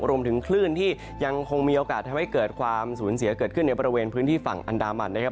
รวมถึงคลื่นที่ยังคงมีโอกาสทำให้เกิดความสูญเสียเกิดขึ้นในบริเวณพื้นที่ฝั่งอันดามันนะครับ